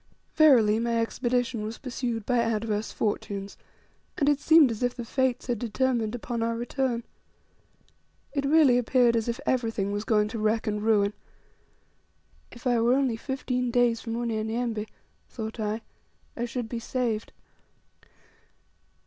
Verily, my expedition was pursued by adverse fortunes, and it seemed as if the Fates had determined upon our return. It really appeared as if everything was going to wreck and ruin. If I were only fifteen days from Unyanyembe, thought I, I should be saved!